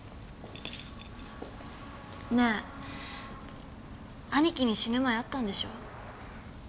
ねえ兄貴に死ぬ前会ったんでしょ？